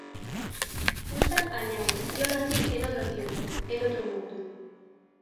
Susan añade, "Yo nací en otro tiempo, en otro mundo".